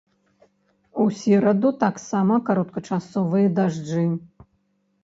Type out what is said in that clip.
У сераду таксама кароткачасовыя дажджы.